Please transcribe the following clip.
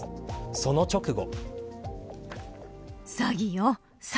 その直後。